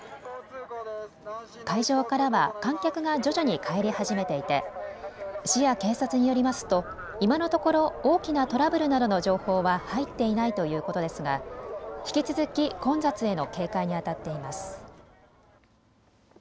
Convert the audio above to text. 会場からは観客が徐々に帰り始めていて市や警察によりますと今のところ大きなトラブルなどの情報は入っていないということですが引き続き混雑への警戒にあたっています。